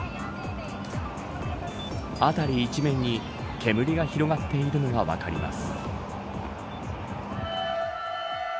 辺り一面に煙が広がっているのが分かります。